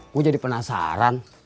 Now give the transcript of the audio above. gua jadi penasaran